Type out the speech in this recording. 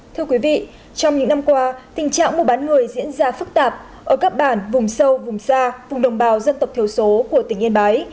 thưa quý vị trong những năm qua tình trạng mùa bán người diễn ra phức tạp ở các bản vùng sâu vùng xa vùng đồng bào dân tộc thiểu số của tỉnh yên bái